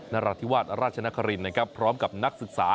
นราธิวาสราชนครินนะครับพร้อมกับนักศึกษา